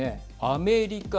アメリカ